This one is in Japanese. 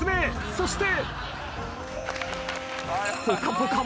そして。